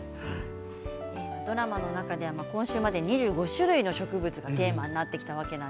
ドラマの中では今週までに２５種類の植物がテーマになってきました。